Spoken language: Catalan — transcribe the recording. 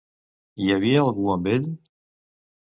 Hi havia algú amb ell?